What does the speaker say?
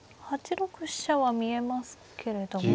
８六飛車は見えますけれども。